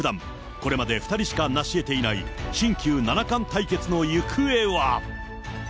これまで２人しか成しえていない、新旧七冠対決の行方は。